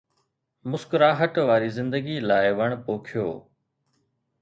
مسڪراهٽ واري زندگي لاءِ وڻ پوکيو.